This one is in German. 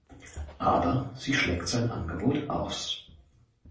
Aber sie schlägt sein Angebot aus.